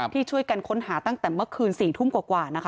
ที่ช่วยกันค้นหาตั้งแต่เมื่อคืน๔ทุ่มกว่านะคะ